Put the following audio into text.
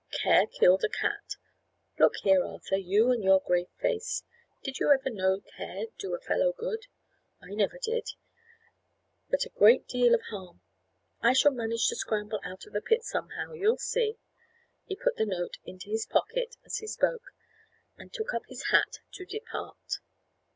"Care killed a cat. Look here, Arthur, you and your grave face! Did you ever know care do a fellow good? I never did: but a great deal of harm. I shall manage to scramble out of the pit somehow. You'll see." He put the note into his pocket, as he spoke, and took up his hat to depart.